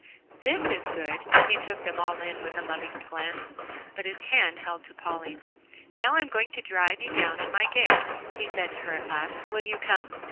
This is good," he took them all in with a loving glance, but his hand held to Polly. "Now I'm going to drive you down in my gig," he said to her at last. "Will you come?"